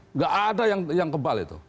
nggak ada yang kebal itu